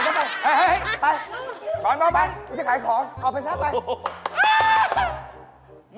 มึงจะขายของออกไปซักกิรุณะ